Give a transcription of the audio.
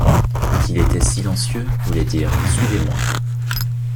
qu’il était silencieux, voulait dire: Suivez-moi.